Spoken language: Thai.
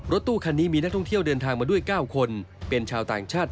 ตู้คันนี้มีนักท่องเที่ยวเดินทางมาด้วย๙คนเป็นชาวต่างชาติ